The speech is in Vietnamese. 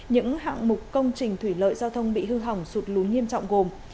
những hạng mục công trình thủy lợi giao thông bị hư hỏng sụt lún nghiêm trọng gồm